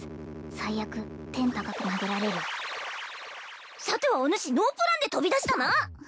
最悪天高く投げられるさてはおぬしノープランで飛び出したな！